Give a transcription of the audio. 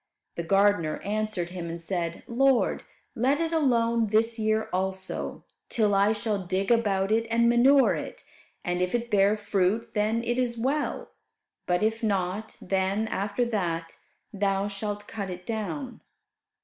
The gardener answered him and said, "Lord, let it alone this year also, till I shall dig about it and manure it. And if it bear fruit then, it is well; but if not, then, after that, thou shalt cut it down."